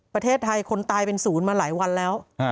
ประเทศไทยคนตายเป็นศูนย์มาหลายวันแล้ว